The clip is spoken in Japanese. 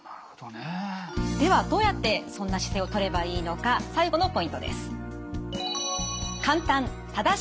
ではどうやってそんな姿勢をとればいいのか最後のポイントです。